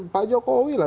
pak jokowi lah